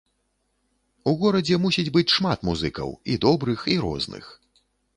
У горадзе мусіць быць шмат музыкаў, і добрых і розных.